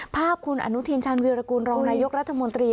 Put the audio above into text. ภาพคุณอนุทินชาญวีรกูลรองนายกรัฐมนตรี